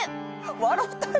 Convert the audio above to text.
笑ったれ！